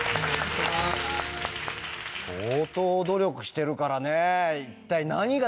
相当努力してるからね。